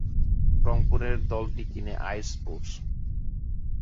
রংপুরের দলটি কিনে আই স্পোর্টস।